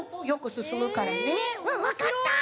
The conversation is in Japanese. うんわかった！